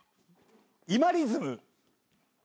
イマリズム。